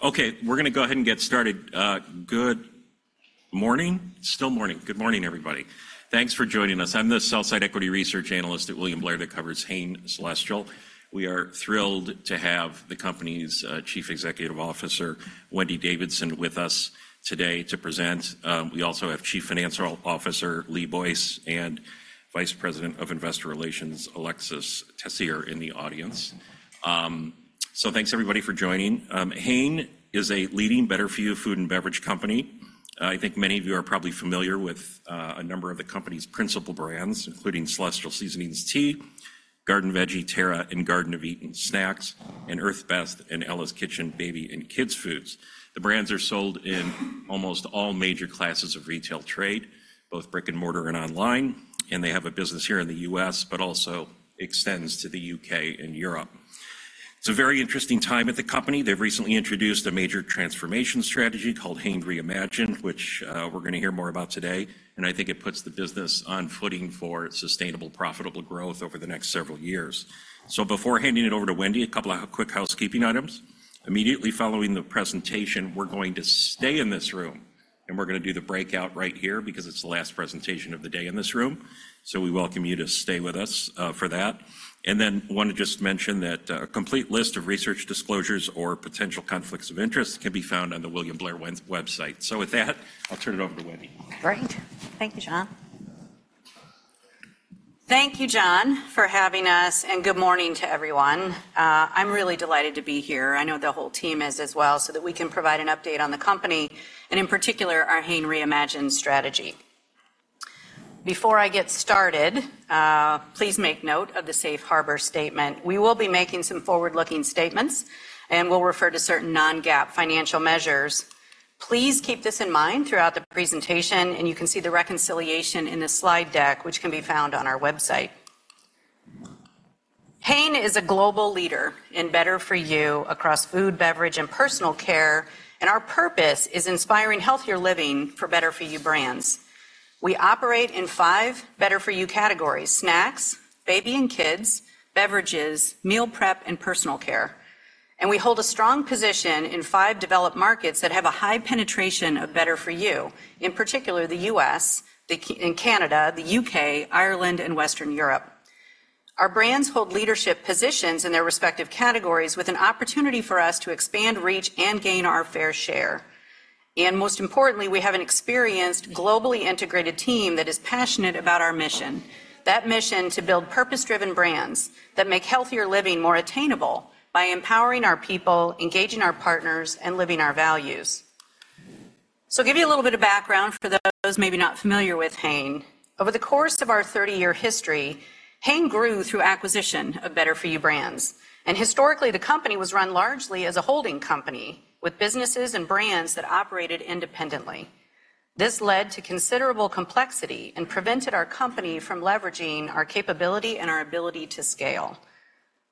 Okay, we're going to go ahead and get started. Good morning. Still morning. Good morning, everybody. Thanks for joining us. I'm the Sell-side Equity Research Analyst at William Blair that covers Hain Celestial. We are thrilled to have the company's Chief Executive Officer, Wendy Davidson, with us today to present. We also have Chief Financial Officer, Lee Boyce, and Vice President of Investor Relations, Alexis Tessier, in the audience. So thanks, everybody, for joining. Hain is a leading, better-for-you food and beverage company. I think many of you are probably familiar with a number of the company's principal brands, including Celestial Seasonings Tea, Garden Veggie, Terra, and Garden of Eatin' Snacks, and Earth's Best and Ella's Kitchen baby and kids foods. The brands are sold in almost all major classes of retail trade, both brick and mortar and online, and they have a business here in the U.S., but also extends to the U.K. and Europe. It's a very interesting time at the company. They've recently introduced a major transformation strategy called Hain Reimagined, which we're going to hear more about today. I think it puts the business on footing for sustainable, profitable growth over the next several years. Before handing it over to Wendy, a couple of quick housekeeping items. Immediately following the presentation, we're going to stay in this room, and we're going to do the breakout right here because it's the last presentation of the day in this room. We welcome you to stay with us for that. I want to just mention that a complete list of research disclosures or potential conflicts of interest can be found on the William Blair website. With that, I'll turn it over to Wendy. Great. Thank you, John. Thank you, John, for having us. Good morning to everyone. I'm really delighted to be here. I know the whole team is as well, so that we can provide an update on the company and in particular our Hain Reimagined strategy. Before I get started, please make note of the safe harbor statement. We will be making some forward-looking statements and will refer to certain non-GAAP financial measures. Please keep this in mind throughout the presentation, and you can see the reconciliation in the slide deck, which can be found on our website. Hain is a global leader in better-for-you across food, beverage, and personal care, and our purpose is inspiring healthier living for better-for-you brands. We operate in five better-for-you categories: snacks, baby and kids, beverages, meal prep, and personal care. We hold a strong position in five developed markets that have a high penetration of better-for-you, in particular the U.S., Canada, the U.K., Ireland, and Western Europe. Our brands hold leadership positions in their respective categories with an opportunity for us to expand, reach, and gain our fair share. Most importantly, we have an experienced, globally integrated team that is passionate about our mission. That mission is to build purpose-driven brands that make healthier living more attainable by empowering our people, engaging our partners, and living our values. I'll give you a little bit of background for those maybe not familiar with Hain. Over the course of our 30-year history, Hain grew through acquisition of better-for-you brands. Historically, the company was run largely as a holding company with businesses and brands that operated independently. This led to considerable complexity and prevented our company from leveraging our capability and our ability to scale.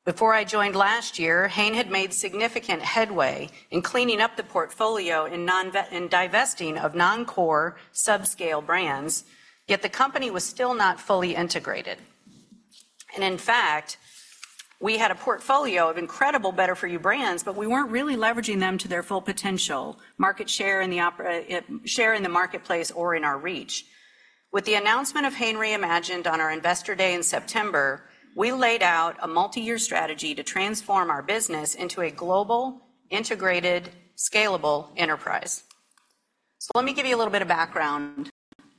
Before I joined last year, Hain had made significant headway in cleaning up the portfolio and divesting of non-core, subscale brands, yet the company was still not fully integrated. In fact, we had a portfolio of incredible better-for-you brands, but we weren't really leveraging them to their full potential, market share in the marketplace or in our reach. With the announcement of Hain Reimagined on our investor day in September, we laid out a multi-year strategy to transform our business into a global, integrated, scalable enterprise. So let me give you a little bit of background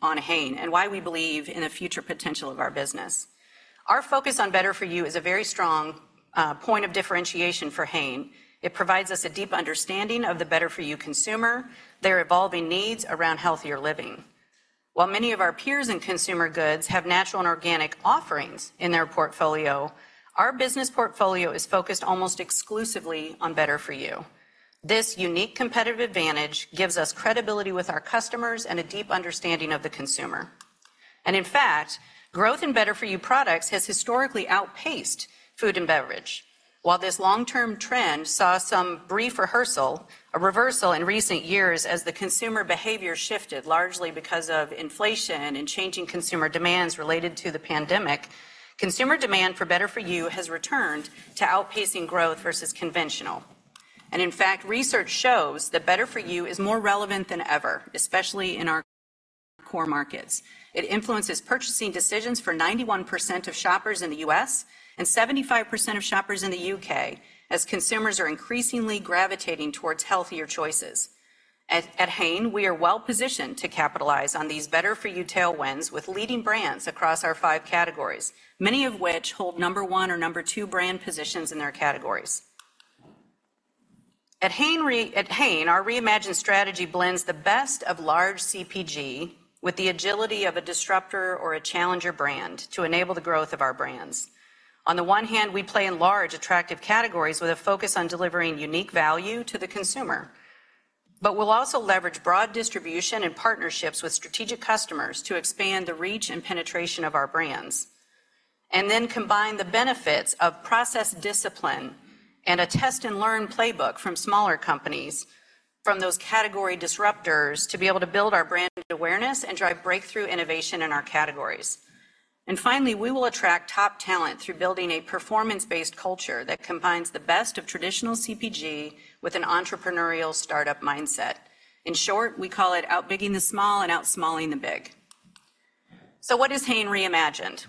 on Hain and why we believe in the future potential of our business. Our focus on better-for-you is a very strong point of differentiation for Hain. It provides us a deep understanding of the better-for-you consumer, their evolving needs around healthier living. While many of our peers in consumer goods have natural and organic offerings in their portfolio, our business portfolio is focused almost exclusively on better-for-you. This unique competitive advantage gives us credibility with our customers and a deep understanding of the consumer. And in fact, growth in better-for-you products has historically outpaced food and beverage. While this long-term trend saw some brief reversal, a reversal in recent years as the consumer behavior shifted largely because of inflation and changing consumer demands related to the pandemic, consumer demand for better-for-you has returned to outpacing growth versus conventional. And in fact, research shows that better-for-you is more relevant than ever, especially in our core markets. It influences purchasing decisions for 91% of shoppers in the U.S. and 75% of shoppers in the U.K. as consumers are increasingly gravitating towards healthier choices. At Hain, we are well positioned to capitalize on these better-for-you tailwinds with leading brands across our five categories, many of which hold number one or number two brand positions in their categories. At Hain, our reimagined strategy blends the best of large CPG with the agility of a disruptor or a challenger brand to enable the growth of our brands. On the one hand, we play in large attractive categories with a focus on delivering unique value to the consumer, but we'll also leverage broad distribution and partnerships with strategic customers to expand the reach and penetration of our brands. Then combine the benefits of process discipline and a test-and-learn playbook from smaller companies from those category disruptors to be able to build our brand awareness and drive breakthrough innovation in our categories. And finally, we will attract top talent through building a performance-based culture that combines the best of traditional CPG with an entrepreneurial startup mindset. In short, we call it outbigging the small and outsmalling the big. So what is Hain Reimagined?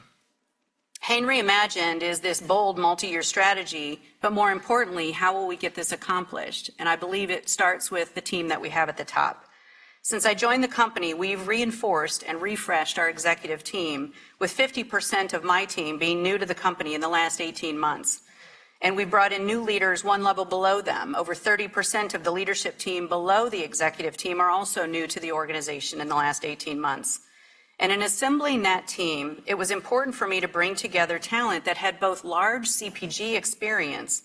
Hain Reimagined is this bold multi-year strategy, but more importantly, how will we get this accomplished? And I believe it starts with the team that we have at the top. Since I joined the company, we've reinforced and refreshed our executive team, with 50% of my team being new to the company in the last 18 months. And we brought in new leaders one level below them. Over 30% of the leadership team below the executive team are also new to the organization in the last 18 months. In assembling that team, it was important for me to bring together talent that had both large CPG experience,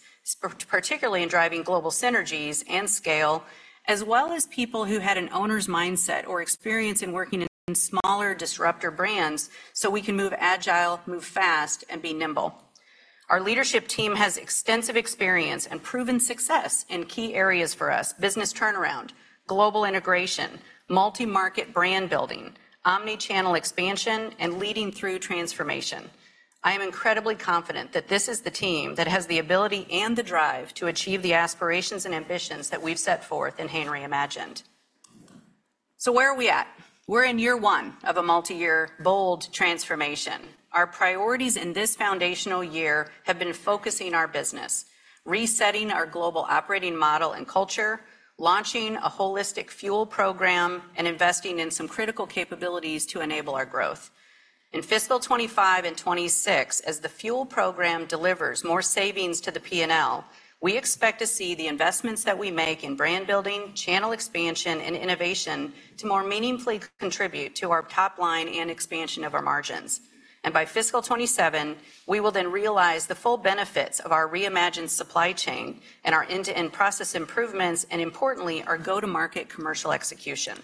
particularly in driving global synergies and scale, as well as people who had an owner's mindset or experience in working in smaller disruptor brands so we can move agile, move fast, and be nimble. Our leadership team has extensive experience and proven success in key areas for us: business turnaround, global integration, multi-market brand building, omnichannel expansion, and leading through transformation. I am incredibly confident that this is the team that has the ability and the drive to achieve the aspirations and ambitions that we've set forth in Hain Reimagined. So where are we at? We're in year one of a multi-year bold transformation. Our priorities in this foundational year have been focusing our business, resetting our global operating model and culture, launching a holistic fuel program, and investing in some critical capabilities to enable our growth. In fiscal 2025 and 2026, as the fuel program delivers more savings to the P&L, we expect to see the investments that we make in brand building, channel expansion, and innovation to more meaningfully contribute to our top line and expansion of our margins. By fiscal 2027, we will then realize the full benefits of our reimagined supply chain and our end-to-end process improvements, and importantly, our go-to-market commercial execution.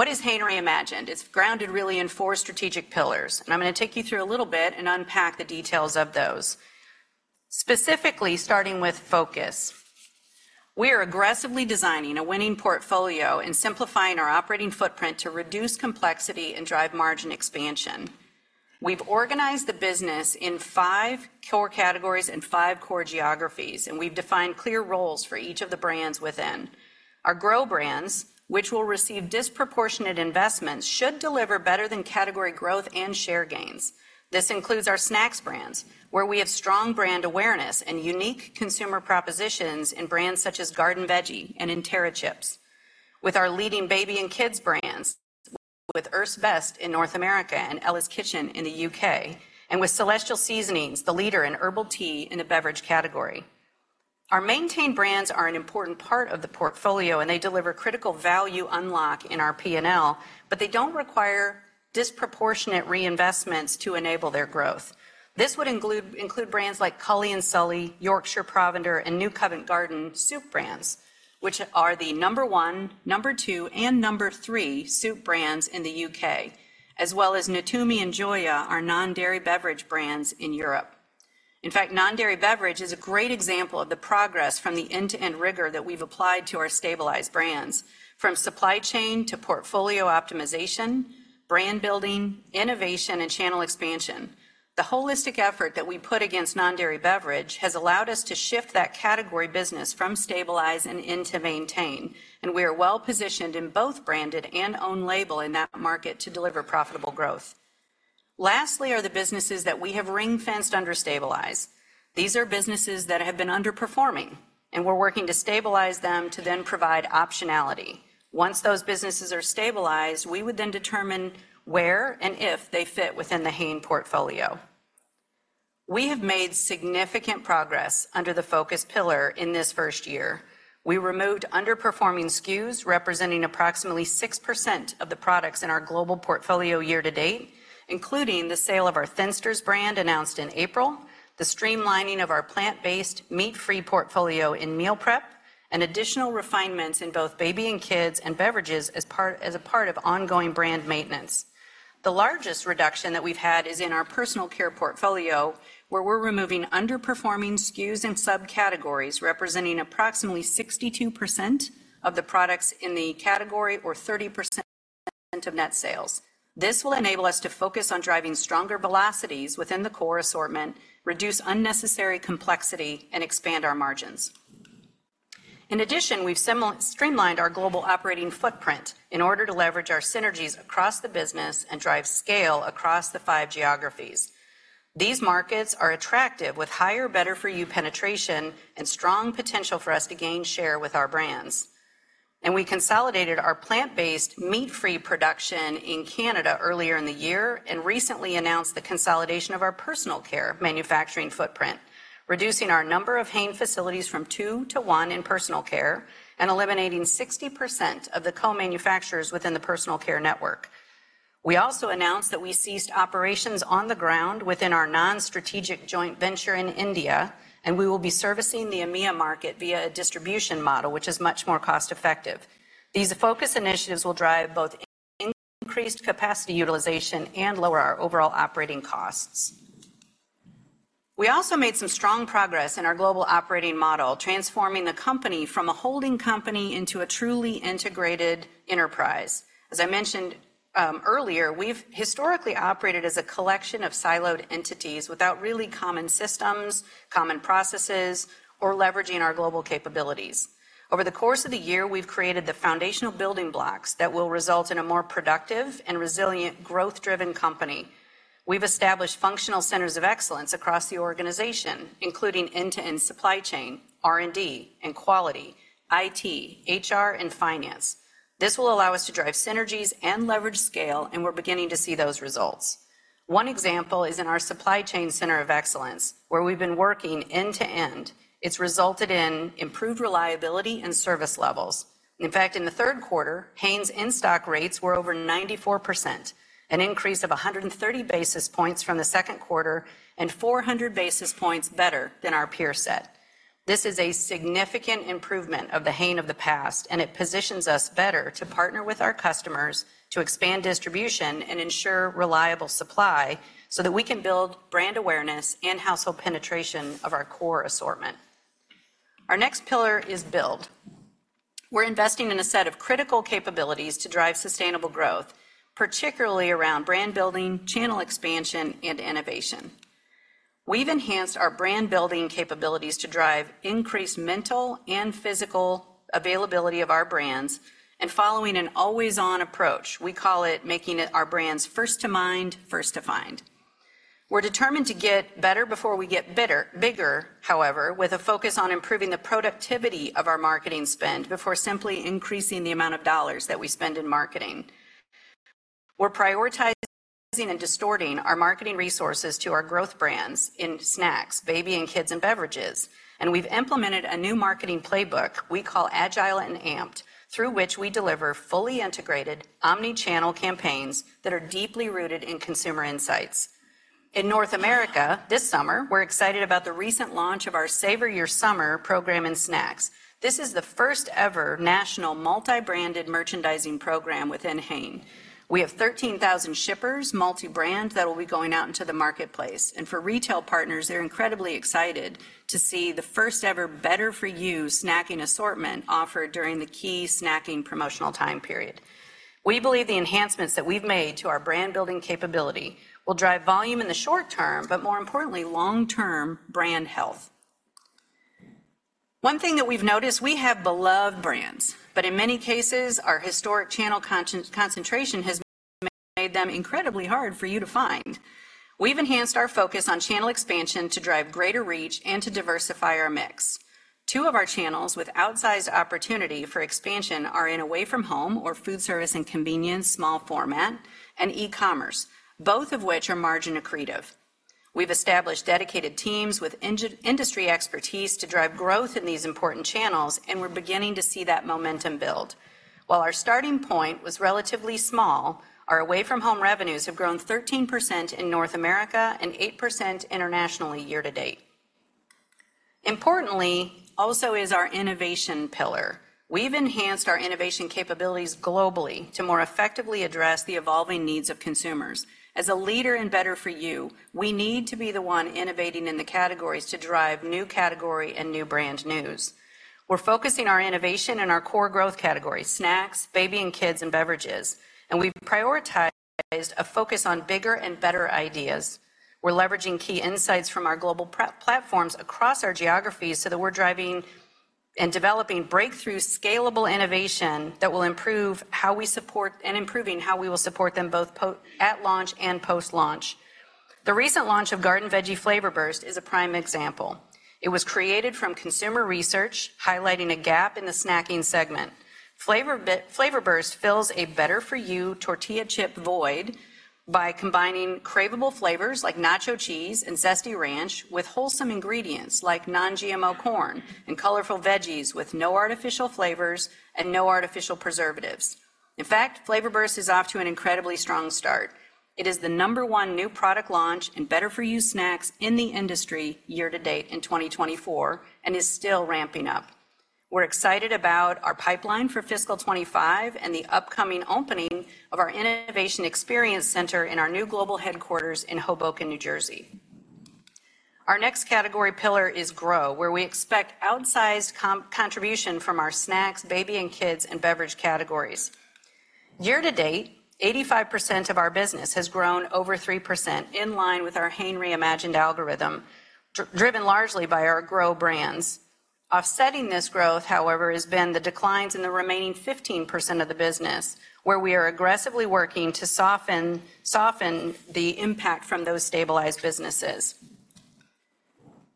What is Hain Reimagined? It's grounded really in four strategic pillars. I'm going to take you through a little bit and unpack the details of those. Specifically, starting with focus, we are aggressively designing a winning portfolio and simplifying our operating footprint to reduce complexity and drive margin expansion. We've organized the business in five core categories and five core geographies, and we've defined clear roles for each of the brands within. Our grow brands, which will receive disproportionate investments, should deliver better than category growth and share gains. This includes our snacks brands, where we have strong brand awareness and unique consumer propositions in brands such as Garden Veggie and Terra Chips. With our leading baby and kids brands, with Earth's Best in North America and Ella's Kitchen in the U.K., and with Celestial Seasonings, the leader in herbal tea and a beverage category. Our maintained brands are an important part of the portfolio, and they deliver critical value unlock in our P&L, but they don't require disproportionate reinvestments to enable their growth. This would include brands like Cully & Sully, Yorkshire Provender, and New Covent Garden soup brands, which are the number one, number two, and number three soup brands in the U.K., as well as Natumi and Joya, our non-dairy beverage brands in Europe. In fact, non-dairy beverage is a great example of the progress from the end-to-end rigor that we've applied to our stabilized brands, from supply chain to portfolio optimization, brand building, innovation, and channel expansion. The holistic effort that we put against non-dairy beverage has allowed us to shift that category business from stabilize and into maintain. And we are well positioned in both branded and own label in that market to deliver profitable growth. Lastly, are the businesses that we have ring-fenced under stabilize. These are businesses that have been underperforming, and we're working to stabilize them to then provide optionality. Once those businesses are stabilized, we would then determine where and if they fit within the Hain portfolio. We have made significant progress under the focus pillar in this first year. We removed underperforming SKUs representing approximately 6% of the products in our global portfolio year to date, including the sale of our Thinsters brand announced in April, the streamlining of our plant-based meat-free portfolio in meal prep, and additional refinements in both baby and kids and beverages as a part of ongoing brand maintenance. The largest reduction that we've had is in our personal care portfolio, where we're removing underperforming SKUs and subcategories representing approximately 62% of the products in the category or 30% of net sales. This will enable us to focus on driving stronger velocities within the core assortment, reduce unnecessary complexity, and expand our margins. In addition, we've streamlined our global operating footprint in order to leverage our synergies across the business and drive scale across the five geographies. These markets are attractive with higher better-for-you penetration and strong potential for us to gain share with our brands. We consolidated our plant-based meat-free production in Canada earlier in the year and recently announced the consolidation of our personal care manufacturing footprint, reducing our number of Hain facilities from two to one in personal care and eliminating 60% of the co-manufacturers within the personal care network. We also announced that we ceased operations on the ground within our non-strategic joint venture in India, and we will be servicing the EMEA market via a distribution model, which is much more cost-effective. These focus initiatives will drive both increased capacity utilization and lower our overall operating costs. We also made some strong progress in our global operating model, transforming the company from a holding company into a truly integrated enterprise. As I mentioned earlier, we've historically operated as a collection of siloed entities without really common systems, common processes, or leveraging our global capabilities. Over the course of the year, we've created the foundational building blocks that will result in a more productive and resilient growth-driven company. We've established functional centers of excellence across the organization, including end-to-end supply chain, R&D, and quality, IT, HR, and finance. This will allow us to drive synergies and leverage scale, and we're beginning to see those results. One example is in our supply chain center of excellence, where we've been working end-to-end. It's resulted in improved reliability and service levels. In fact, in the third quarter, Hain's in-stock rates were over 94%, an increase of 130 basis points from the second quarter and 400 basis points better than our peer set. This is a significant improvement of the Hain of the past, and it positions us better to partner with our customers to expand distribution and ensure reliable supply so that we can build brand awareness and household penetration of our core assortment. Our next pillar is build. We're investing in a set of critical capabilities to drive sustainable growth, particularly around brand building, channel expansion, and innovation. We've enhanced our brand building capabilities to drive increased mental and physical availability of our brands and following an always-on approach. We call it making our brands first to mind, first to find. We're determined to get better before we get bigger, however, with a focus on improving the productivity of our marketing spend before simply increasing the amount of dollars that we spend in marketing. We're prioritizing and distorting our marketing resources to our growth brands in snacks, baby and kids, and beverages. And we've implemented a new marketing playbook we call Agile and Amped, through which we deliver fully integrated omnichannel campaigns that are deeply rooted in consumer insights. In North America this summer, we're excited about the recent launch of our Savor Your Summer program in snacks. This is the first-ever national multi-branded merchandising program within Hain. We have 13,000 shippers, multi-brand that will be going out into the marketplace. And for retail partners, they're incredibly excited to see the first-ever better-for-you snacking assortment offered during the key snacking promotional time period. We believe the enhancements that we've made to our brand building capability will drive volume in the short term, but more importantly, long-term brand health. One thing that we've noticed, we have beloved brands, but in many cases, our historic channel concentration has made them incredibly hard for you to find. We've enhanced our focus on channel expansion to drive greater reach and to diversify our mix. Two of our channels with outsized opportunity for expansion are in away-from-home or food service and convenience small format and e-commerce, both of which are margin accretive. We've established dedicated teams with industry expertise to drive growth in these important channels, and we're beginning to see that momentum build. While our starting point was relatively small, our away-from-home revenues have grown 13% in North America and 8% internationally year to date. Importantly, also is our innovation pillar. We've enhanced our innovation capabilities globally to more effectively address the evolving needs of consumers. As a leader in better-for-you, we need to be the one innovating in the categories to drive new category and new brand news. We're focusing our innovation in our core growth category, snacks, baby and kids, and beverages. We've prioritized a focus on bigger and better ideas. We're leveraging key insights from our global platforms across our geographies so that we're driving and developing breakthrough scalable innovation that will improve how we support and improving how we will support them both at launch and post-launch. The recent launch of Garden Veggie Flavor Burst is a prime example. It was created from consumer research, highlighting a gap in the snacking segment. Flavor Burst fills a better-for-you tortilla chip void by combining craveable flavors like nacho cheese and zesty ranch with wholesome ingredients like non-GMO corn and colorful veggies with no artificial flavors and no artificial preservatives. In fact, Flavor Burst is off to an incredibly strong start. It is the number one new product launch in better-for-you snacks in the industry year to date in 2024 and is still ramping up. We're excited about our pipeline for fiscal 2025 and the upcoming opening of our innovation experience center in our new global headquarters in Hoboken, New Jersey. Our next category pillar is grow, where we expect outsized contribution from our snacks, baby and kids, and beverage categories. Year to date, 85% of our business has grown over 3% in line with our Hain Reimagined algorithm, driven largely by our grow brands. Offsetting this growth, however, has been the declines in the remaining 15% of the business, where we are aggressively working to soften the impact from those stabilized businesses.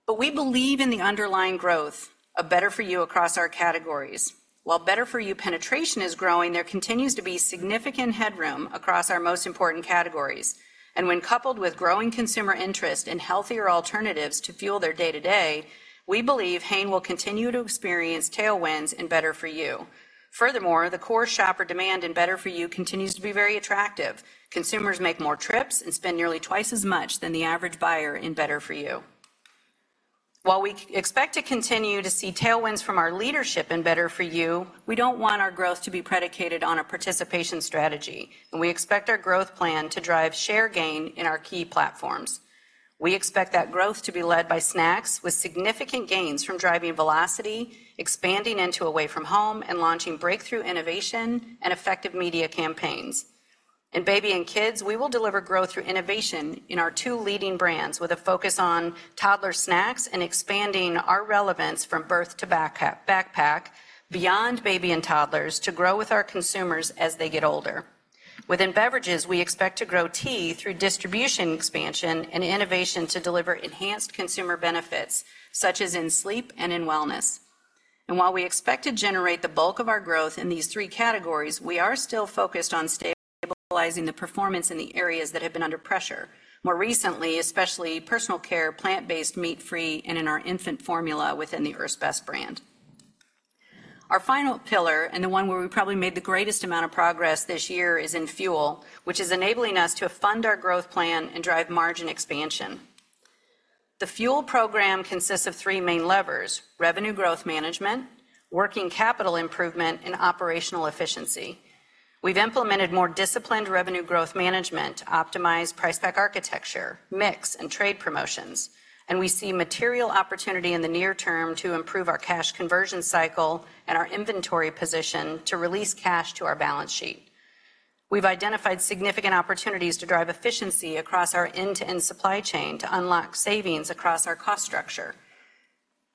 But we believe in the underlying growth of better-for-you across our categories. While better-for-you penetration is growing, there continues to be significant headroom across our most important categories. And when coupled with growing consumer interest in healthier alternatives to fuel their day-to-day, we believe Hain will continue to experience tailwinds in better-for-you. Furthermore, the core shopper demand in better-for-you continues to be very attractive. Consumers make more trips and spend nearly twice as much than the average buyer in better-for-you. While we expect to continue to see tailwinds from our leadership in better-for-you, we don't want our growth to be predicated on a participation strategy. And we expect our growth plan to drive share gain in our key platforms. We expect that growth to be led by snacks with significant gains from driving velocity, expanding into away from home, and launching breakthrough innovation and effective media campaigns. In baby and kids, we will deliver growth through innovation in our two leading brands with a focus on toddler snacks and expanding our relevance from birth to backpack beyond baby and toddlers to grow with our consumers as they get older. Within beverages, we expect to grow tea through distribution expansion and innovation to deliver enhanced consumer benefits, such as in sleep and in wellness. While we expect to generate the bulk of our growth in these three categories, we are still focused on stabilizing the performance in the areas that have been under pressure, more recently, especially personal care, plant-based, meat-free, and in our infant formula within the Earth's Best brand. Our final pillar, and the one where we probably made the greatest amount of progress this year, is in fuel, which is enabling us to fund our growth plan and drive margin expansion. The fuel program consists of three main levers: revenue growth management, working capital improvement, and operational efficiency. We've implemented more disciplined revenue growth management, optimized price pack architecture, mix, and trade promotions. We see material opportunity in the near term to improve our cash conversion cycle and our inventory position to release cash to our balance sheet. We've identified significant opportunities to drive efficiency across our end-to-end supply chain to unlock savings across our cost structure.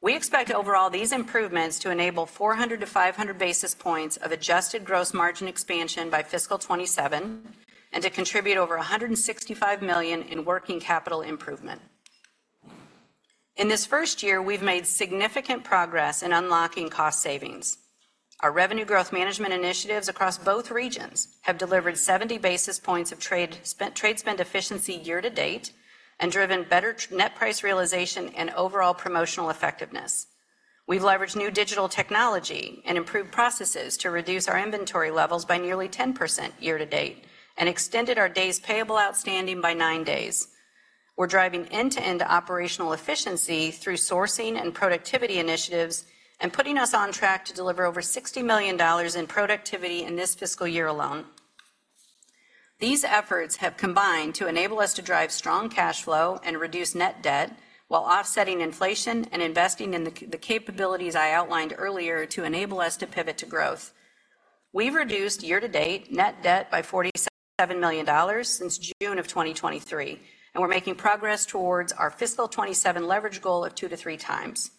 We expect overall these improvements to enable 400-500 basis points of adjusted gross margin expansion by fiscal 2027 and to contribute over $165 million in working capital improvement. In this first year, we've made significant progress in unlocking cost savings. Our revenue growth management initiatives across both regions have delivered 70 basis points of trade spend efficiency year to date and driven better net price realization and overall promotional effectiveness. We've leveraged new digital technology and improved processes to reduce our inventory levels by nearly 10% year to date and extended our days payable outstanding by nine days. We're driving end-to-end operational efficiency through sourcing and productivity initiatives and putting us on track to deliver over $60 million in productivity in this fiscal year alone. These efforts have combined to enable us to drive strong cash flow and reduce net debt while offsetting inflation and investing in the capabilities I outlined earlier to enable us to pivot to growth. We've reduced year-to-date net debt by $47 million since June of 2023, and we're making progress towards our fiscal 2027 leverage goal of 2x-3x.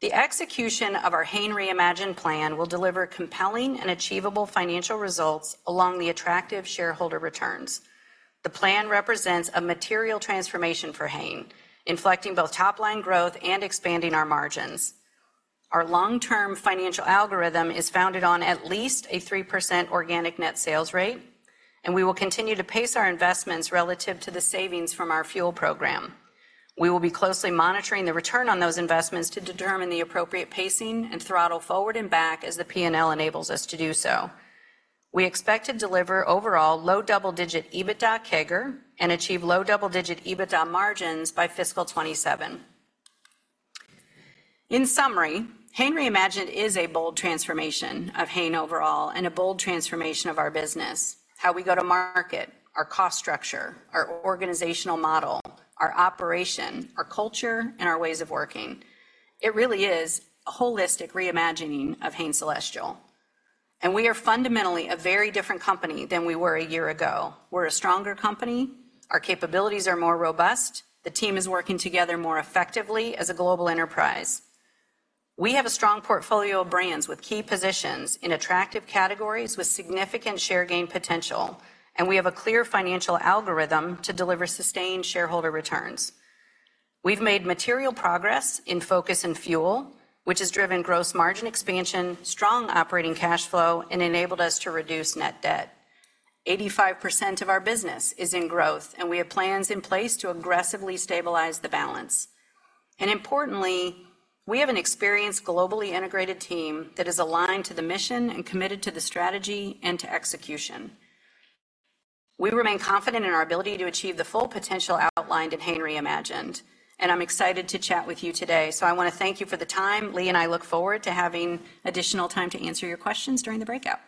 The execution of our Hain Reimagined plan will deliver compelling and achievable financial results along with the attractive shareholder returns. The plan represents a material transformation for Hain, inflecting both top-line growth and expanding our margins. Our long-term financial algorithm is founded on at least a 3% organic net sales rate, and we will continue to pace our investments relative to the savings from our fuel program. We will be closely monitoring the return on those investments to determine the appropriate pacing and throttle forward and back as the P&L enables us to do so. We expect to deliver overall low double-digit EBITDA CAGR and achieve low double-digit EBITDA margins by fiscal 2027. In summary, Hain Reimagined is a bold transformation of Hain overall and a bold transformation of our business, how we go to market, our cost structure, our organizational model, our operation, our culture, and our ways of working. It really is a holistic reimagining of Hain Celestial. And we are fundamentally a very different company than we were a year ago. We're a stronger company. Our capabilities are more robust. The team is working together more effectively as a global enterprise. We have a strong portfolio of brands with key positions in attractive categories with significant share gain potential, and we have a clear financial algorithm to deliver sustained shareholder returns. We've made material progress in focus and fuel, which has driven gross margin expansion, strong operating cash flow, and enabled us to reduce net debt. 85% of our business is in growth, and we have plans in place to aggressively stabilize the balance. Importantly, we have an experienced, globally integrated team that is aligned to the mission and committed to the strategy and to execution. We remain confident in our ability to achieve the full potential outlined in Hain Reimagined. I'm excited to chat with you today. I want to thank you for the time. Lee and I look forward to having additional time to answer your questions during the breakout.